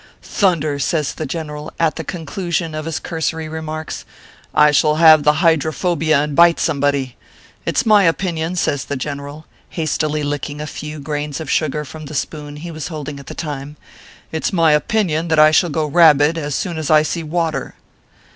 " Thunder !" says the General, at the conclusion of his cursory remarks, "I shall have the hydro phobia and bite somebody. It s my opinion," says the General, hastily licking a few grains of sugar from the spoon he was holding at the time, " it s my opin ion that I shall go rabid as soon as I see water."